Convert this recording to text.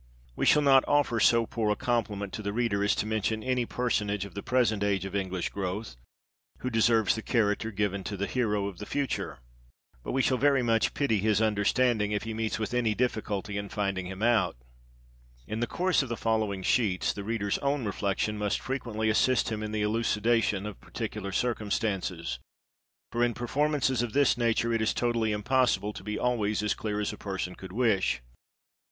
We shall not offer so poor a compliment to the reader as to mention any personage of the present age of English growth, who deserves the character given to the Hero of the future ; but we shall very much pity his understand ing, if he meets with any difficulty in finding him out. xxx THE AUTHOR'S PREFACE. In the course of the following sheets, the reader's own reflection must frequently assist him in the elucidation of particular circumstances, for in performances of this nature, it is totally impossible to be always as clear as a person could wish.